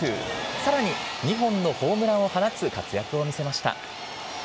さらに２本のホームランを放つ活躍を見せました。